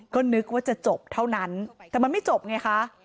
ก็นึกว่าจะจบเท่านั้นแต่มันไม่จบไงคะ